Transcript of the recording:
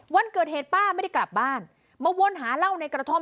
วันเกิดเหตุป้าไม่ได้กลับบ้านมาวนหาเหล้าในกระท่อม